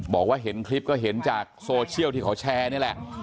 บอกว่าเห็นคลิปก็เห็นจากโซเชียลที่เขาแชร์นี่แหละ